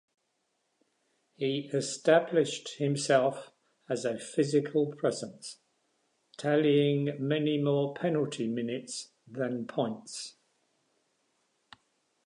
He established himself as a physical presence, tallying many more penalty minutes than points.